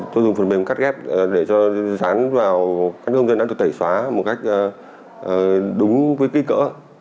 tôi dùng phần mềm cắt ghép để cho rán vào các công dân đang được tẩy xóa một cách đúng với kích cỡ